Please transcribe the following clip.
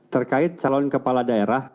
terkait calon kepala daerah